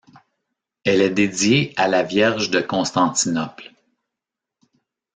Elle est dédiée à la Vierge de Constantinople.